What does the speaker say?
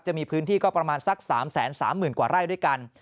จะมีพื้นที่ก็ประมาณสัก๓๓๐๐๐กว่าไร่ด้วยกัน